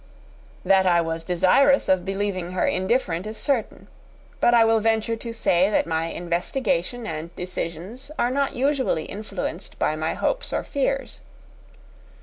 That I was desirous of believing her indifferent is certain; but I will venture to say that my investigations and decisions are not usually influenced by my hopes or fears.